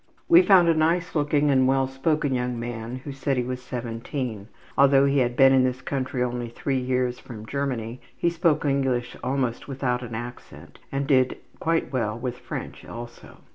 We found a nice looking and well spoken young fellow who said he was 17. Although he had been in this country only three years from Germany, he spoke English almost without an accent and did quite well with French also.